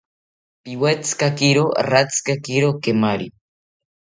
Piwetzikakiro ratzikakiro kemari